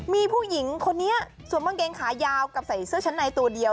มีผู้หญิงคนนี้สวมกางเกงขายาวกับใส่เสื้อชั้นในตัวเดียว